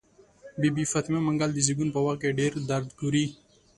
بي بي فاطمه منګل د زيږون په وخت کې ډير درد ګوري.